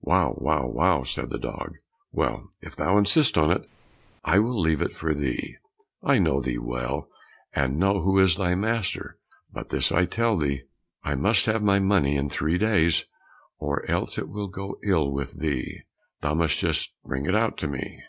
"Wow, wow, wow," said the dog. "Well, if thou insistest on it, I will leave it for thee; I know thee well, and know who is thy master; but this I tell thee, I must have my money in three days or else it will go ill with thee; thou must just bring it out to me."